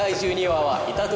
はい。